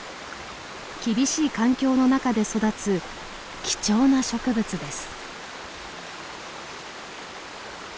厳しい環境の中で育つ貴重な植物です。